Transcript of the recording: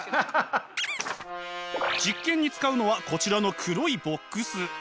実験に使うのはこちらの黒いボックス。